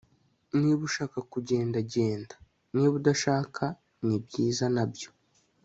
niba ushaka kugenda, genda. niba udashaka, nibyiza, nabyo